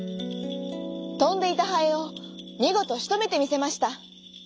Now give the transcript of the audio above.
とんでいたハエをみごとしとめてみせました。